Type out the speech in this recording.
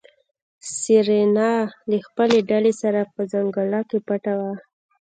سېرېنا له خپلې ډلې سره په ځنګله کې پټه وه.